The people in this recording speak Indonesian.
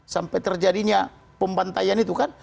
sampai terjadinya pembantaian itu kan